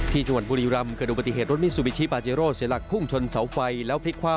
จังหวัดบุรีรำเกิดดูปฏิเหตุรถมิซูบิชิปาเจโร่เสียหลักพุ่งชนเสาไฟแล้วพลิกความ